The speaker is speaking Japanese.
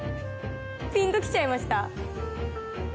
ピンと来ちゃいました？